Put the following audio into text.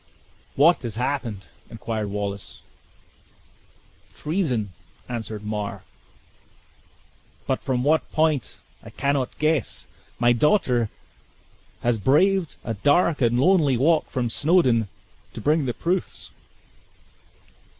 "What has happened?" inquired Wallace. "Treason," answered Mar; "but from what point I cannot guess. My daughter has braved a dark and lonely walk from Snawdoun, to bring the proofs."